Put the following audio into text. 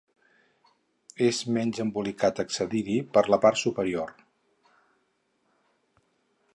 És menys embolicat accedir-hi per la part superior.